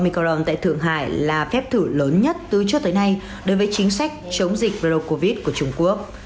mecorn tại thượng hải là phép thử lớn nhất từ trước tới nay đối với chính sách chống dịch procovid của trung quốc